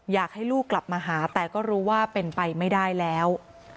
อยากให้ลูกกลับมาหาแต่ก็รู้ว่าเป็นไปไม่ได้แล้ว